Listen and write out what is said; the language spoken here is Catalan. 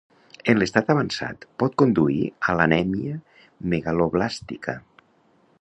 En l'estat avançat pot conduir a l'anèmia megaloblàstica.